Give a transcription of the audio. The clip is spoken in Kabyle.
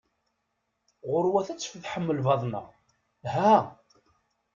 Ɣuṛwet ad tfeḍḥem lbaḍna! ha!